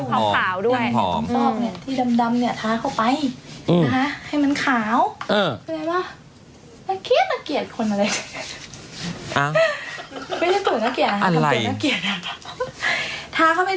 ไม่หน้างหุ่นขาวด้วย